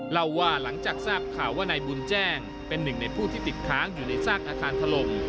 เล่าว่าหลังจากทราบข่าวว่านายบุญแจ้งเป็นหนึ่งในผู้ที่ติดค้างอยู่ในซากอาคารถล่ม